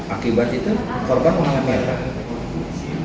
akibat itu korban mengapa ya pak